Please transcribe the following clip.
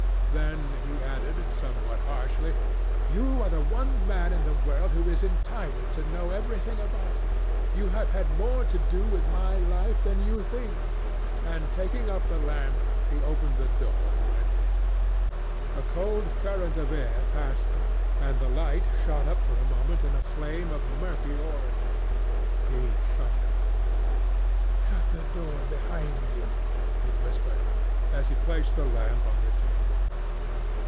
Then he added, somewhat harshly, "You are the one man in the world who is entitled to know everything about me. You have had more to do with my life than you think"; and, taking up the lamp, he opened the door and went in. A cold current of air passed them, and the light shot up for a moment in a flame of murky orange. He shuddered. "Shut the door behind you," he whispered, as he placed the lamp on the table.